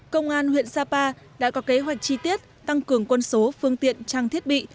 công an huyện sapa đã có kế hoạch chi tiết tăng cường quân số phương tiện trang thiết bị